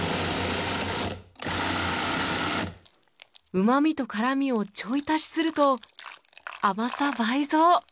うまみと辛みをちょい足しすると甘さ倍増！